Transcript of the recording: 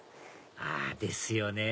あですよね